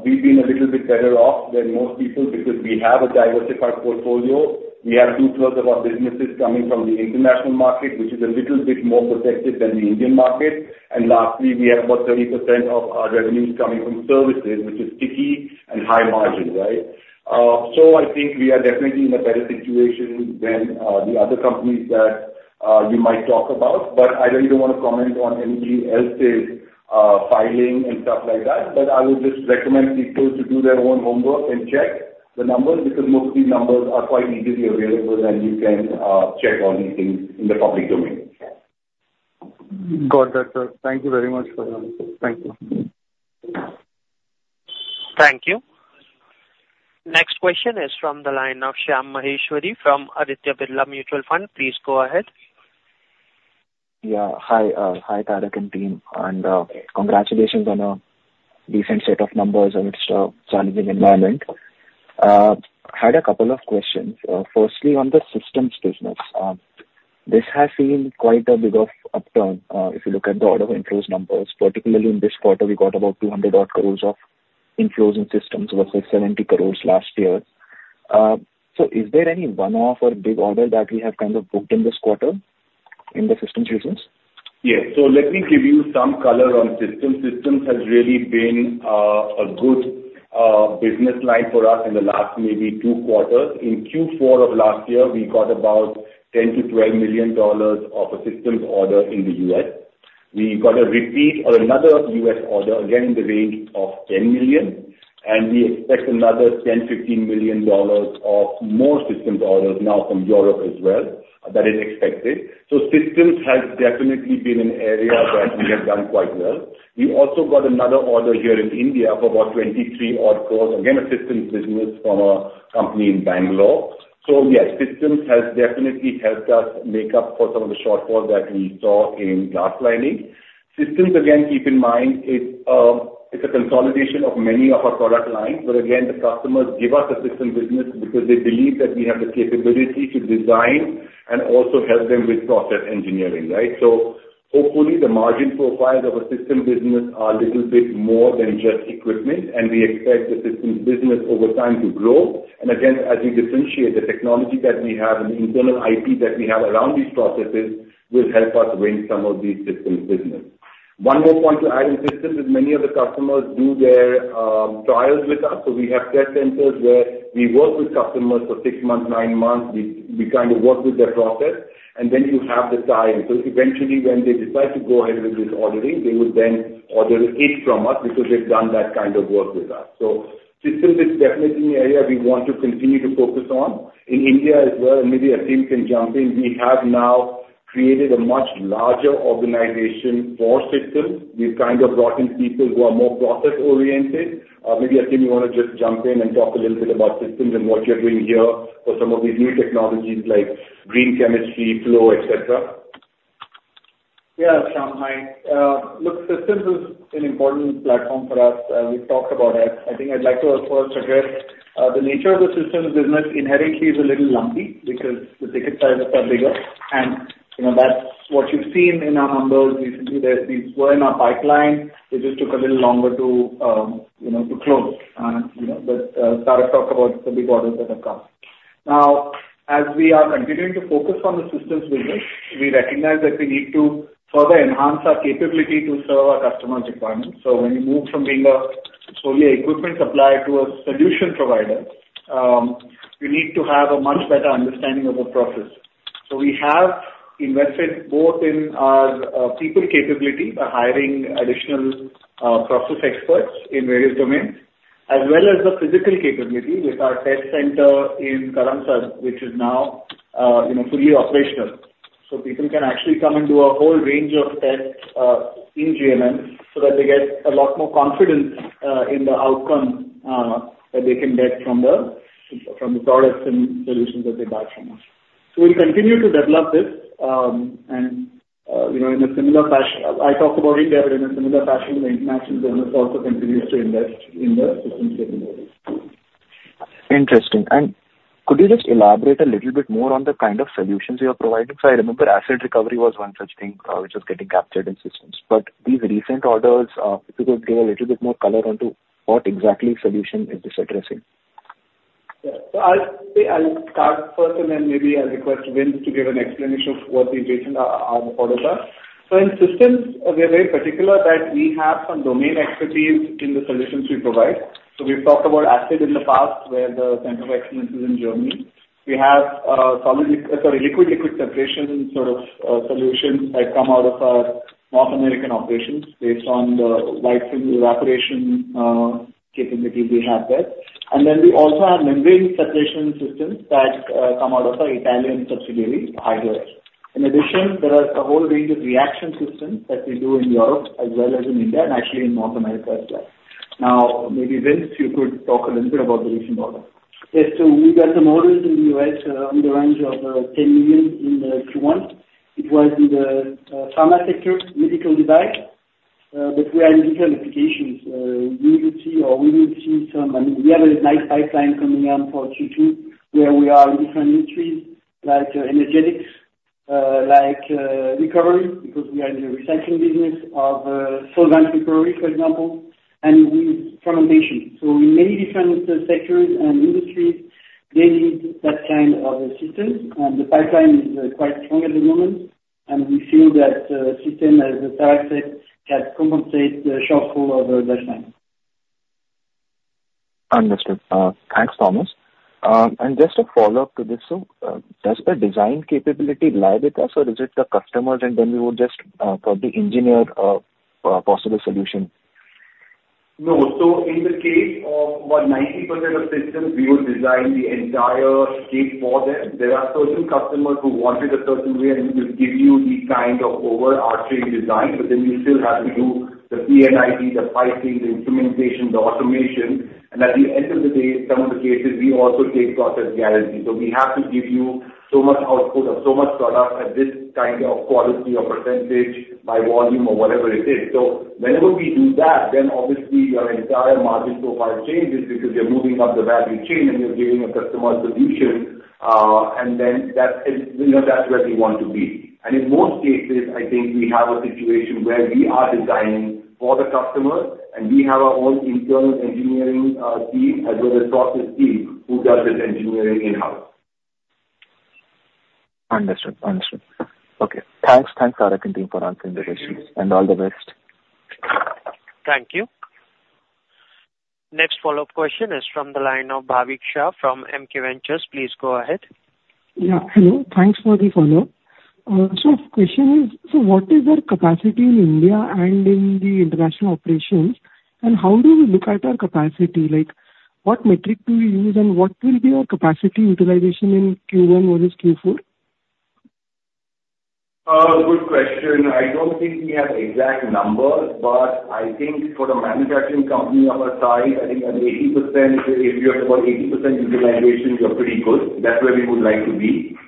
We've been a little bit better off than most people because we have a diversified portfolio. We have two-thirds of our businesses coming from the international market, which is a little bit more protected than the Indian market. And lastly, we have about 30% of our revenues coming from services, which is sticky and high margin, right? So I think we are definitely in a better situation than the other companies that you might talk about. But I really don't want to comment on anybody else's filing and stuff like that. But I would just recommend people to do their own homework and check the numbers, because mostly numbers are quite easily available, and you can check all these things in the public domain. Got that, sir. Thank you very much for your answer. Thank you. Thank you. Next question is from the line of Shyam Maheshwari from Aditya Birla Mutual Fund. Please go ahead. Yeah. Hi, hi, Tarak and team, and, congratulations on a decent set of numbers in this, challenging environment. Had a couple of questions. Firstly, on the systems business, this has seen quite a bit of upturn. If you look at the order inflows numbers, particularly in this quarter, we got about 200 crores of inflows in systems versus 70 crores last year. So is there any one-off or big order that we have kind of booked in this quarter in the systems business? Yeah. So let me give you some color on Systems. Systems has really been a good business line for us in the last maybe two quarters. In Q4 of last year, we got about $10-$12 million of a Systems order in the US. We got a repeat or another US order, again, in the range of $10 million, and we expect another $10-$15 million of more Systems orders now from Europe as well, that is expected. So Systems has definitely been an area where we have done quite well. We also got another order here in India for about 23 odd crores, again, a Systems business from a company in Bangalore. So yes, Systems has definitely helped us make up for some of the shortfall that we saw in glass lining. Systems, again, keep in mind, it's, it's a consolidation of many of our product lines, but again, the customers give us a system business because they believe that we have the capability to design and also help them with process engineering, right? So hopefully, the margin profiles of a system business are a little bit more than just equipment, and we expect the systems business over time to grow. And again, as we differentiate the technology that we have and the internal IP that we have around these processes, will help us win some of these systems business. One more point to add in systems is many of the customers do their trials with us. So we have test centers where we work with customers for six months, nine months. We kind of work with their process, and then you have the tie-in. So eventually, when they decide to go ahead with this ordering, they would then order it from us because they've done that kind of work with us. So systems is definitely an area we want to continue to focus on. In India as well, and maybe Aseem can jump in, we have now created a much larger organization for systems. We've kind of brought in people who are more process-oriented. Maybe, Aseem, you want to just jump in and talk a little bit about systems and what you're doing here for some of these new technologies like green chemistry, flow, et cetera? Yeah, Shyam, hi. Look, systems is an important platform for us. We've talked about it. I think I'd like to first address the nature of the systems business inherently is a little lumpy because the ticket sizes are bigger. And, you know, that's what you've seen in our numbers. Usually, they were in our pipeline. It just took a little longer to, you know, to close. And, you know, but Tarak talked about the big orders that have come. Now, as we are continuing to focus on the systems business, we recognize that we need to further enhance our capability to serve our customers' requirements. So when you move from being a solely equipment supplier to a solution provider, you need to have a much better understanding of the process. So we have invested both in our people capability by hiring additional process experts in various domains, as well as the physical capability with our test center in Karamsad, which is now, you know, fully operational. So people can actually come and do a whole range of tests in GMM so that they get a lot more confidence in the outcome that they can get from the products and solutions that they buy from us. So we'll continue to develop this, and, you know, in a similar fashion... I talked about India, but in a similar fashion, the international business also continues to invest in the systems category. Interesting. And could you just elaborate a little bit more on the kind of solutions you're providing? So I remember Acid Recovery was one such thing, which was getting captured in Systems. But these recent orders, if you could give a little bit more color onto what exactly solution is this addressing? Yeah. So I'll say, I'll start first, and then maybe I'll request Vince to give an explanation of what the recent, our orders are. So in systems, we are very particular that we have some domain expertise in the solutions we provide. So we've talked about acid recovery in the past, where the center of excellence is in Germany. We have, solid li- sorry, liquid-liquid separation sort of, solutions that come out of our North American operations based on the wiped film evaporation, capability we have there. And then we also have membrane separation systems that, come out of our Italian subsidiary, Hydro Air. In addition, there are a whole range of reaction systems that we do in Europe as well as in India and actually in North America as well. Now, maybe, Vince, you could talk a little bit about the recent order. Yes, so we got some orders in the U.S., on the range of $10 million in Q1. It was in the pharma sector, medical device, but we are in different applications. We will see some, I mean, we have a nice pipeline coming in for Q2, where we are in different industries, like energetics, like recovery, because we are in the recycling business of solvent recovery, for example, and with fermentation. So in many different sectors and industries, they need that kind of a system, and the pipeline is quite strong at the moment. And we feel that system, as Tarak said, can compensate the shortfall of the last time. Understood. Thanks, Thomas. And just a follow-up to this. So, does the design capability lie with us, or is it the customers, and then we would just probably engineer possible solutions? No. So in the case of about 90% of systems, we would design the entire suite for them. There are certain customers who want it a certain way, and we will give you the kind of overarching design, but then you still have to do the P&ID, the piping, the instrumentation, the automation. And at the end of the day, some of the cases, we also take process guarantee. So we have to give you so much output of so much product at this kind of quality or percentage by volume or whatever it is. So whenever we do that, then obviously your entire margin profile changes because you're moving up the value chain, and you're giving a customer solutions. And then that is, you know, that's where we want to be. In most cases, I think we have a situation where we are designing for the customer, and we have our own internal engineering team, as well as process team, who does this engineering in-house. Understood. Understood. Okay, thanks. Thanks, Tarak and team, for answering the questions, and all the best. Thank you. Next follow-up question is from the line of Bhavik Shah from MK Ventures. Please go ahead.... Yeah, hello. Thanks for the follow-up. So question is, so what is our capacity in India and in the international operations, and how do we look at our capacity? Like, what metric do you use, and what will be our capacity utilization in Q1 versus Q4? Good question. I don't think we have exact numbers, but I think for a manufacturing company of our size, I think 80%, if you're at about 80% utilization, you're pretty good. That's where we would like to be.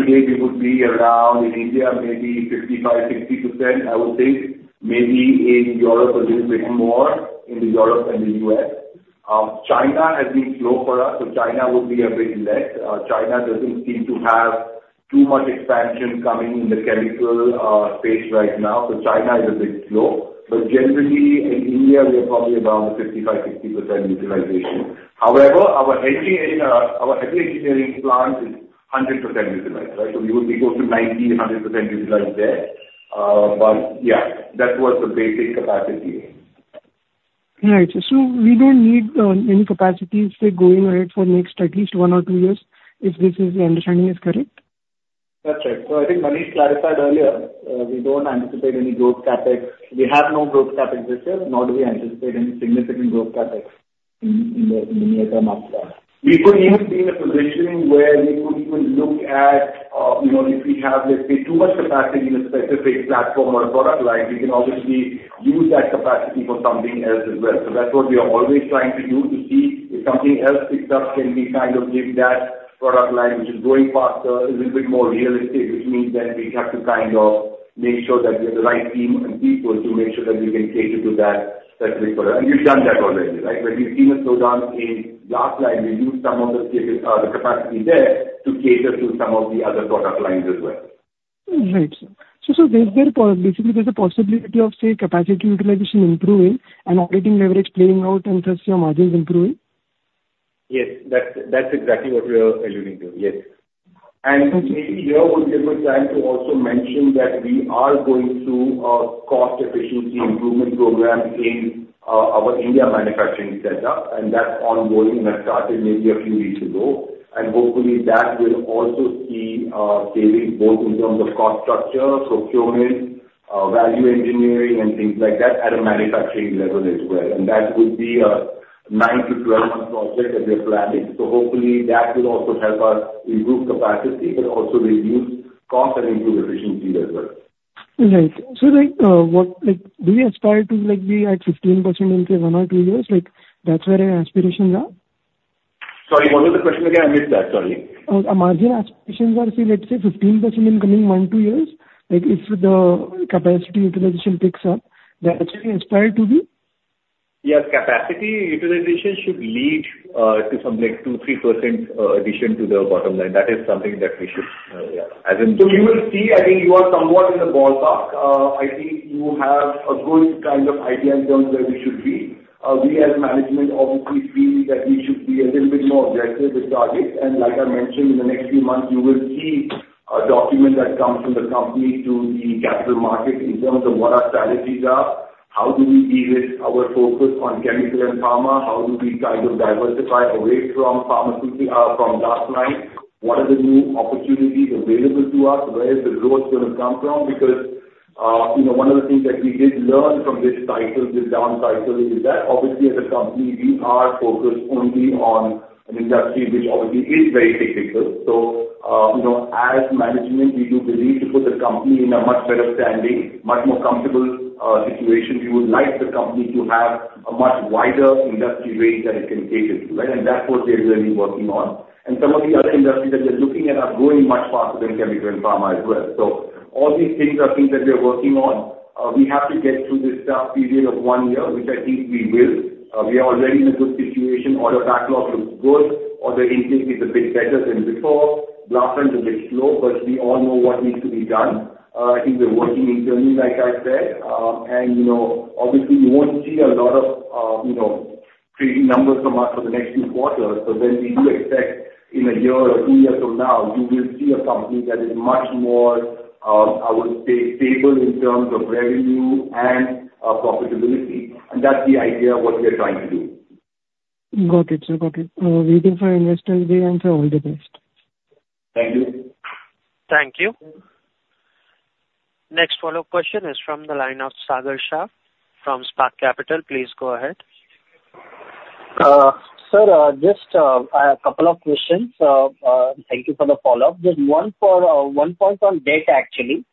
Today, we would be around in India, maybe 55%-60%. I would say maybe in Europe, a little bit more in Europe and the US. China has been slow for us, so China would be a bit less. China doesn't seem to have too much expansion coming in the chemical space right now, so China is a bit slow. But generally, in India, we are probably around 55%-60% utilization. However, our heavy engineering plant is 100% utilized, right? So we would be close to 90%-100% utilized there. But yeah, that was the basic capacity. Right. So we don't need any capacity, say, going ahead for next at least one or two years, if this is the understanding is correct? That's right. So I think Manish clarified earlier. We don't anticipate any growth CapEx. We have no growth CapEx this year, nor do we anticipate any significant growth CapEx in the year come after. We could even be in a positioning where we could look at, you know, if we have, let's say, too much capacity in a specific platform or a product line, we can obviously use that capacity for something else as well. So that's what we are always trying to do, to see if something else picks up, can we kind of give that product line which is growing faster a little bit more realistic, which means that we have to kind of make sure that we have the right team and people to make sure that we can cater to that specific product. And we've done that already, right? When we've seen a slowdown in glass-lined, we used some of the capacity there to cater to some of the other product lines as well. Right, sir. So, there basically, there's a possibility of, say, capacity utilization improving and operating leverage playing out and thus your margins improving? Yes, that's, that's exactly what we are alluding to. Yes. And maybe here would be a good time to also mention that we are going through a cost efficiency improvement program in our India manufacturing setup, and that's ongoing. That started maybe a few weeks ago, and hopefully that will also see savings both in terms of cost structure, procurement, value engineering and things like that at a manufacturing level as well. And that would be a 9-12-month process that we're planning. So hopefully that will also help us improve capacity, but also reduce cost and improve efficiency as well. Right. So like, what, like, do you aspire to like be at 15% in say one or two years? Like, that's where your aspirations are? Sorry, what was the question again? I missed that. Sorry. Our margin aspirations are, say, let's say, 15% in coming 1-2 years. Like, if the capacity utilization picks up, where actually aspire to be? Yes, capacity utilization should lead to some, like, 2-3% addition to the bottom line. That is something that we should. So you will see, I think you are somewhat in the ballpark. I think you have a good kind of idea in terms where we should be. We as management obviously feel that we should be a little bit more aggressive with targets. And like I mentioned, in the next few months, you will see a document that comes from the company to the capital market in terms of what our strategies are, how do we deal with our focus on chemical and pharma, how do we kind of diversify away from pharmaceutical, from glass-lined, what are the new opportunities available to us? Where is the growth gonna come from? Because, you know, one of the things that we did learn from this cycle, this down cycle, is that obviously as a company, we are focused only on an industry which obviously is very cyclical. So, you know, as management, we do believe to put the company in a much better standing, much more comfortable, situation. We would like the company to have a much wider industry range that it can cater to, right? And that's what we're really working on. And some of the other industries that we're looking at are growing much faster than chemical and pharma as well. So all these things are things that we are working on. We have to get through this tough period of one year, which I think we will. We are already in a good situation. Order backlogs looks good, order intake is a bit better than before. Glassline is a bit slow, but we all know what needs to be done. I think we're working internally, like I said, and, you know, obviously, you won't see a lot of, you know, crazy numbers from us for the next few quarters. But then we do expect in a year or two years from now, you will see a company that is much more, I would say, stable in terms of revenue and, profitability, and that's the idea of what we are trying to do. Got it, sir. Got it. Waiting for investor day, and, sir, all the best. Thank you. Thank you. Next follow-up question is from the line of Sagar Shah from Spark Capital. Please go ahead. Sir, just a couple of questions. Thank you for the follow-up. Just one for one point on debt, actually.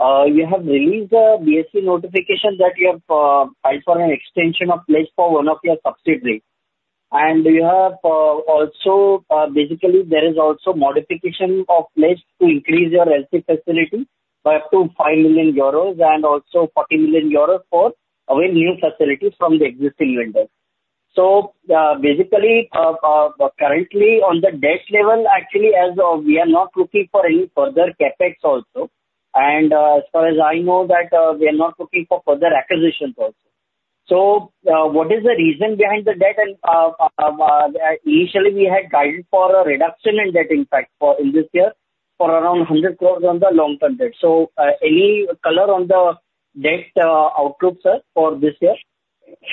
You have released a BSE notification that you have applied for an extension of lease for one of your subsidiaries. You have also basically there is also modification of lease to increase your LC facility by up to 5 million euros and also 40 million euros for again new facilities from the existing vendors. So, basically, currently, on the debt level, actually, as we are not looking for any further CapEx also, and, as far as I know, that we are not looking for further acquisitions also. So, what is the reason behind the debt? Initially, we had guided for a reduction in debt, in fact, for in this year, for around 100 crore on the long-term debt. Any color on the debt outlook, sir, for this year?...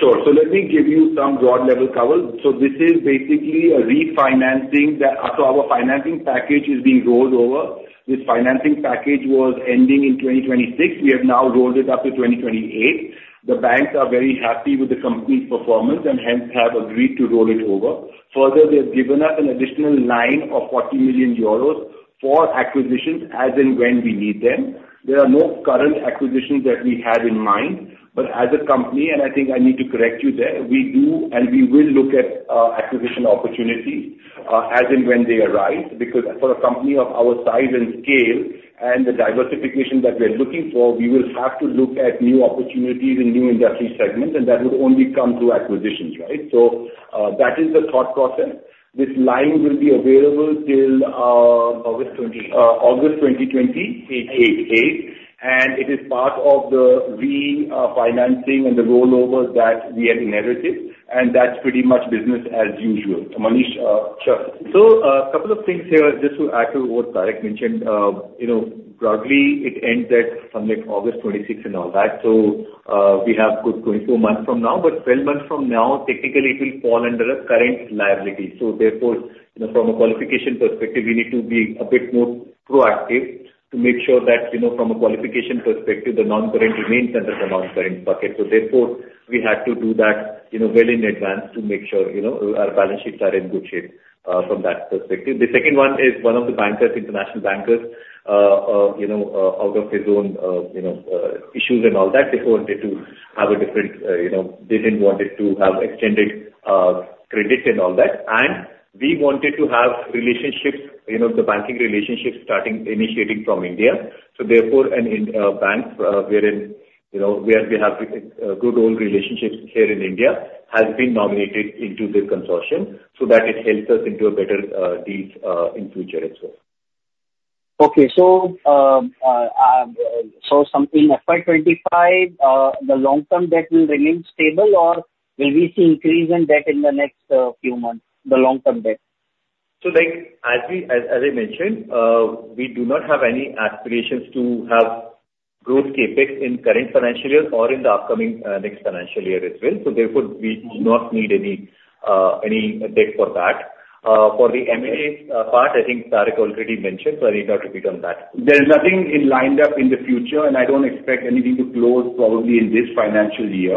Sure. So let me give you some broad level cover. So this is basically a refinancing that, so our financing package is being rolled over. This financing package was ending in 2026. We have now rolled it up to 2028. The banks are very happy with the company's performance and hence have agreed to roll it over. Further, they have given us an additional 90 million euros for acquisitions as and when we need them. There are no current acquisitions that we have in mind, but as a company, and I think I need to correct you there, we do and we will look at acquisition opportunities, as and when they arise. Because for a company of our size and scale and the diversification that we're looking for, we will have to look at new opportunities in new industry segments, and that will only come through acquisitions, right? So, that is the thought process. This line will be available till, August twenty. August 2028. It is part of the refinancing and the rollover that we have inherited, and that's pretty much business as usual. Manish. Sure. So, a couple of things here, just to add to what Tarak mentioned. You know, broadly, it ends at somewhere August 26, 2026 and all that, so we have good 24 months from now. But 12 months from now, technically it will fall under a current liability. So therefore, you know, from a qualification perspective, we need to be a bit more proactive to make sure that, you know, from a qualification perspective, the non-current remains under the non-current bucket. So therefore, we had to do that, you know, well in advance to make sure, you know, our balance sheets are in good shape from that perspective. The second one is one of the bankers, international bankers, you know, out of his own, you know, issues and all that, they wanted to have a different, you know, they didn't want it to have extended credit and all that. And we wanted to have relationships, you know, the banking relationships starting initiating from India. So therefore, an Indian bank, wherein, you know, where we have good old relationships here in India, has been nominated into the consortium so that it helps us into a better deals in future as well. Okay. So, in FY 25, the long-term debt will remain stable, or will we see increase in debt in the next few months, the long-term debt? So, like, as I mentioned, we do not have any aspirations to have growth CapEx in current financial year or in the upcoming, next financial year as well. So therefore, we do not need any debt for that. For the M&A part, I think Tarak already mentioned, so I need not repeat on that. There's nothing lined up in the future, and I don't expect anything to close probably in this financial year.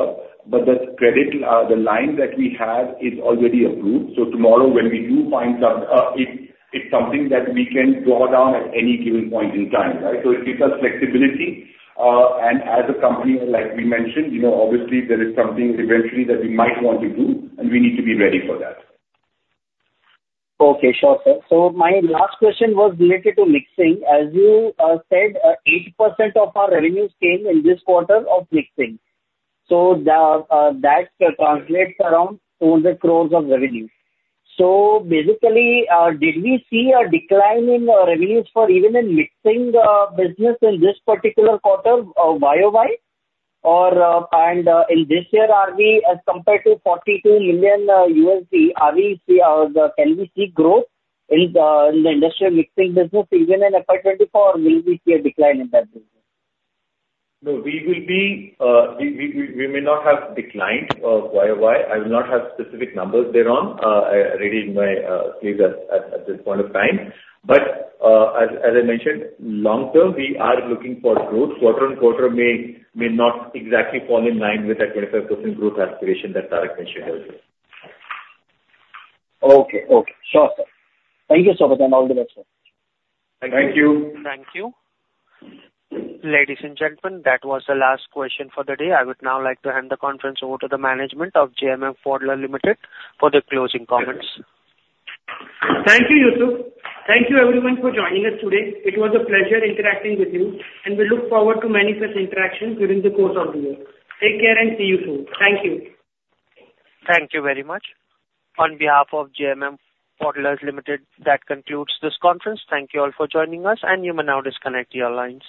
But the credit line that we have is already approved, so tomorrow, when we do find some, it's something that we can draw down at any given point in time, right? It gives us flexibility, and as a company, like we mentioned, you know, obviously there is something eventually that we might want to do, and we need to be ready for that. Okay. Sure, sir. So my last question was related to mixing. As you said, 80% of our revenues came in this quarter of mixing. So the, that translates around 200 crore of revenue. So basically, did we see a decline in, revenues for even in mixing, business in this particular quarter, YOY? Or, and, in this year, are we, as compared to $42 million USD, are we see, can we see growth in the, in the industrial mixing business even in FY 2024, or will we see a decline in that business? No, we will be, we may not have declined YOY. I will not have specific numbers thereon ready in my sleeves at this point of time. But, as I mentioned, long term, we are looking for growth. Quarter on quarter may not exactly fall in line with that 25% growth aspiration that Tarak mentioned earlier. Okay. Okay. Sure, sir. Thank you so much, and all the best, sir. Thank you. Thank you. Thank you. Ladies and gentlemen, that was the last question for the day. I would now like to hand the conference over to the management of GMM Pfaudler Limited for their closing comments. Thank you, Yusuf. Thank you everyone for joining us today. It was a pleasure interacting with you, and we look forward to many such interactions during the course of the year. Take care and see you soon. Thank you. Thank you very much. On behalf of GMM Pfaudler Limited, that concludes this conference. Thank you all for joining us, and you may now disconnect your lines.